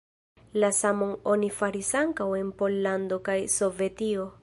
La samon oni faris ankaŭ en Pollando kaj Sovetio.